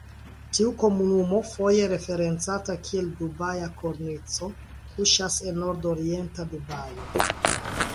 Tiu komunumo, foje referencata kiel Dubaja Kornico, kuŝas en nordorienta Dubajo.